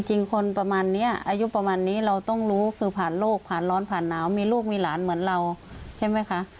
จริงคนประมาณนี้อายุประมาณนี้เราต้องรู้คือผ่านโลกผ่านร้อนผ่านหนาวมีลูกมีหลานเหมือนเราใช่ไหมคะ